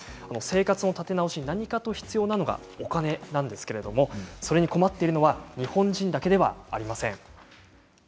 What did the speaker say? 生活の立て直しに何かと必要なのがお金なんですけどもそれに困っているのは日本人だけではありません。